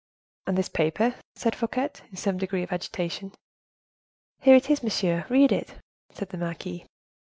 "And this paper?" said Fouquet, in some degree of agitation. "Here it is, monsieur—read it," said the marquise.